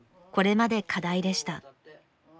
これまで課題でした。